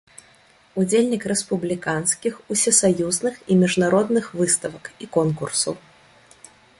Удзельнік рэспубліканскіх, усесаюзных і міжнародных выставак і конкурсаў.